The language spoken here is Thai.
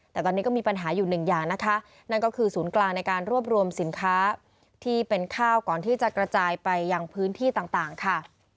แต่ตอนนี้ก็มีปัญหาอยู่หนึ่งอย่างนะคะนั่นก็คือศูนย์กลางในการรวบรวมสินค้าที่เป็นข้าวก่อนที่จะกระจายไปยังพื้นที่ต่างค่ะ